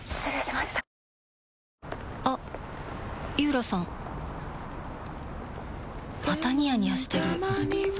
またニヤニヤしてるふふ。